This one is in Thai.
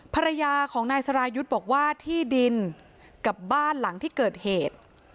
ภรรยาของนายสรายุทธ์บอกว่าที่ดินกับบ้านหลังที่เกิดเหตุ